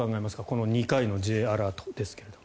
この２回のＪアラートですけれど。